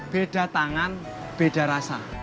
beda tangan beda rasa